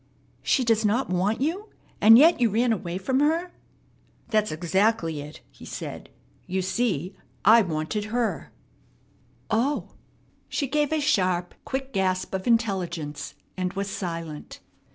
"She does not want you! And yet you ran away from her?" "That's exactly it," he said. "You see, I wanted her!" "Oh!" She gave a sharp, quick gasp of intelligence, and was silent.